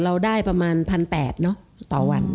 เราได้ประมาณ๑๘๐๐เนอะต่อวัน